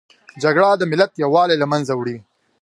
جګړه د ملت یووالي له منځه وړي